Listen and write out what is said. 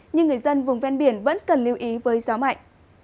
nhưng người dân vùng ven biển vẫn cần lưu ý với gió mạnh